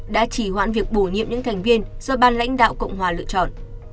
đã chỉ hoãn việc bổ nhiệm những thành viên do ban lãnh đạo cộng hòa lựa chọn